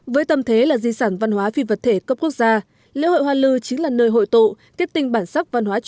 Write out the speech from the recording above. với tầm thế là di sản văn hóa phi vật thể cấp quốc gia